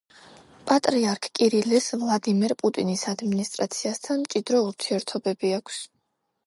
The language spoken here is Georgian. პატრიარქ კირილეს ვლადიმერ პუტინის ადმინისტრაციასთან მჭიდრო ურთიერთობები აქვს.